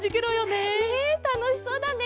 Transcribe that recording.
ねえたのしそうだね。